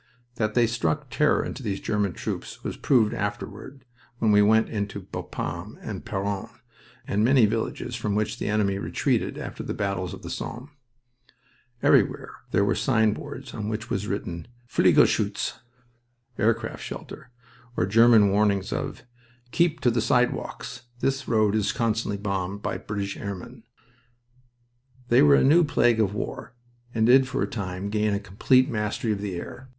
That they struck terror into these German troops was proved afterward when we went into Bapaume and Peronne and many villages from which the enemy retreated after the battles of the Somme. Everywhere there were signboards on which was written "Flieger Schutz!" (aircraft shelter) or German warnings of: "Keep to the sidewalks. This road is constantly bombed by British airmen." They were a new plague of war, and did for a time gain a complete mastery of the air.